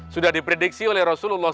sudah diprediksi oleh rasulullah